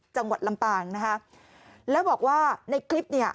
จังหวัดลำปางแล้วบอกว่าในคลิปนี้